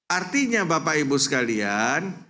artinya bapak ibu sekalian